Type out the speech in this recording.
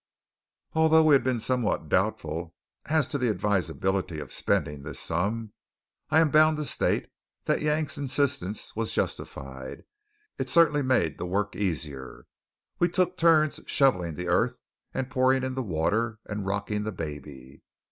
Although we had been somewhat doubtful as to the advisability of spending this sum, I am bound to state that Yank's insistence was justified. It certainly made the work easier. We took turns shovelling the earth and pouring in the water, and "rocking the baby."